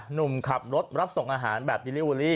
หนุ่มขับรถรับส่งอาหารแบบบิลิเวอรี่